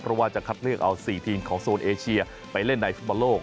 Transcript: เพราะว่าจะคัดเลือกเอา๔ทีมของโซนเอเชียไปเล่นในฟุตบอลโลก